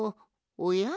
おや？